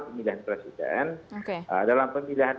pemilihan presiden dalam pemilihan